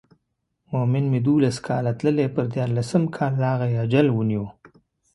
مومن مې دولس کاله تللی پر دیارلسم کال راغی اجل ونیو.